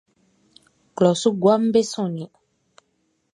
Klɔʼn su guaʼm be sonnin.